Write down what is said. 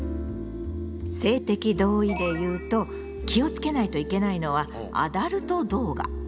性的同意でいうと気をつけないといけないのはアダルト動画。